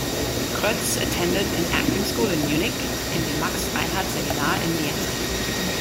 Kroetz attended an acting school in Munich and the Max-Reinhardt-Seminar in Vienna.